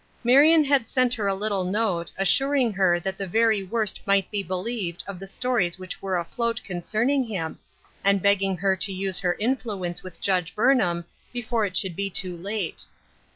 Marion had sent her a little note, assuring her that the very worst might be believed of the stories which were afloat concerning him, and begging her to use her influence with Judge Burnham before it should be too late.